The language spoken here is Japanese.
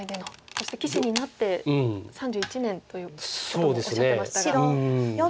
そして棋士になって３１年ということもおっしゃってましたが。